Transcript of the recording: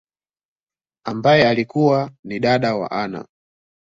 ambaye alikua ni dada wa Anna.